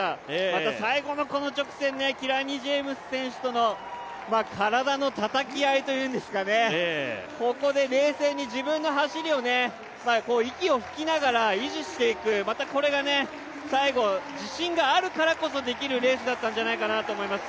また最後のこの直線、キラニ・ジェームス選手との体のたたき合いっていうんですかね、ここで冷静に自分の走りを、息を吹きながら維持していく、またこれが最後、自信があるからこそできるレースだったんじゃないかなと思います。